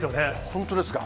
本当ですか。